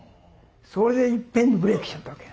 それで一遍にブレークしちゃったわけ。